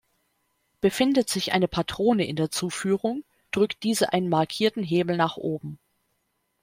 Befindet sich eine Patrone in der Zuführung, drückt diese einen markierten Hebel nach oben.